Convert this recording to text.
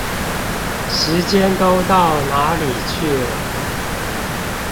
時間都到哪裡去了？